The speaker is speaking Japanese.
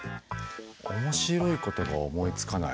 面白いことが思いつかない。